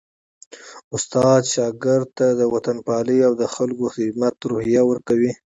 استاد شاګرد ته د وطنپالني او د خلکو د خدمت روحیه ورکوي.